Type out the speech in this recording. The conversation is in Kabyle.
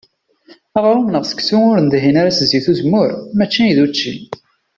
Aɣrum neɣ seksu ur nedhin ara s zzit n uzemmur mačči d učči.